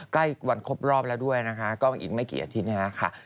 ครบรอบแล้วด้วยนะคะก็อีกไม่กี่อาทิตย์นะคะ